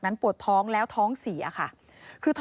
พ่อพูดว่าพ่อพูดว่าพ่อพูดว่าพ่อพูดว่า